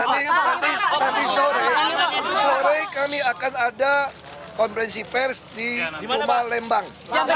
jadi nanti sore kami akan ada konferensi pers di rumah lembang